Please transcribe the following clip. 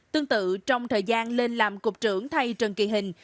tương tự trong thời gian lên làm cục trưởng thay trần kỳ hình